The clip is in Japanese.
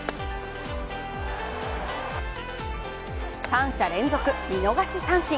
３者連続、見逃し三振。